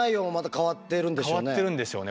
変わってるんでしょうね。